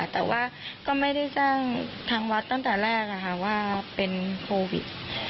แต่ว่าก็ไม่ได้แจ้งทางวัดตั้งแต่แรกว่าเป็นโควิด